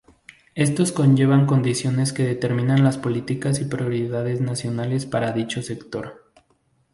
Estos conllevan condiciones que determinan las políticas y prioridades nacionales para dicho sector.